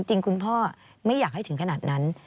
คุณพ่อไม่อยากให้ถึงขนาดนั้น